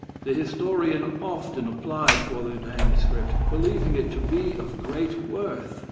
The historian often applied for the MS., believing it to be of great worth.